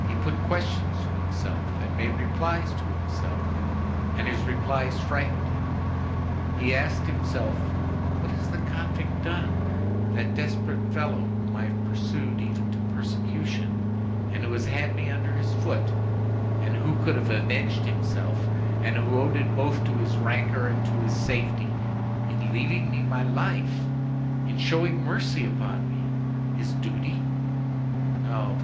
He put questions to himself, and made replies to himself, and his replies frightened him. He asked himself: "What has that convict done, that desperate fellow, whom I have pursued even to persecution, and who has had me under his foot, and who could have avenged himself, and who owed it both to his rancor and to his safety, in leaving me my life, in showing mercy upon me? His duty? No.